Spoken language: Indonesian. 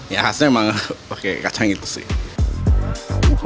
ya khasnya emang pakai kacang itu sih